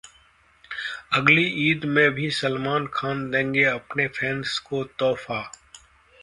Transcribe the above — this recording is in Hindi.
अगली ईद में भी सलमान खान देंगे अपने फैन्स को तोहफा